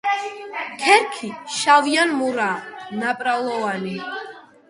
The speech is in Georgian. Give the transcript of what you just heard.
ქერქი შავი ან მურაა, ნაპრალოვანი.